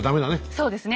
そうですね。